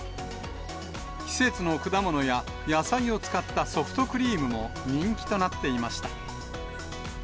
季節の果物や、野菜を使ったソフトクリームも人気となっていました。